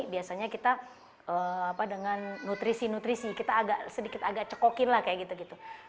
biasanya kita dengan nutrisi nutrisi kita agak sedikit cekokin seperti itu